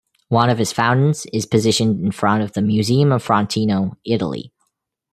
One of his fountains is positioned in front of the museum of Frontino, Italy.